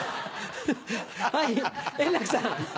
はい円楽さん。